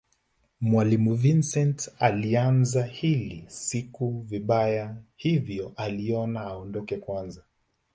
Mwalimu Vincent aliianza hii siku vibaya hivyo aliona aondoke kwanza